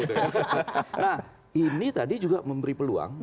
nah ini tadi juga memberi peluang